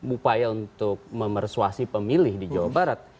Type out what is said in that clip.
upaya untuk memersuasi pemilih di jawa barat